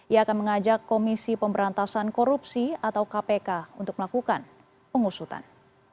ia akan mengajak komisi pemberantasan korupsi atau kpk untuk melakukan pengusutan